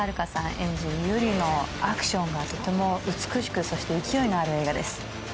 演じる役のアクションがとても美しく、そして勢いのある映画です。